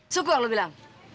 sukur lu bilang